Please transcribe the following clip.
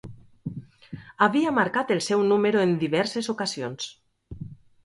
Havia marcat el seu número en diverses ocasions.